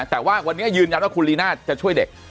แต่ว่าวันนี้ยืนยันว่าคุณลีน่าจะช่วยเด็ก